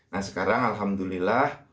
nah sekarang alhamdulillah